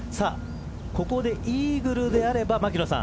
ここでイーグルであれば牧野さん